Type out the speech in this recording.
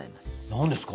何ですか？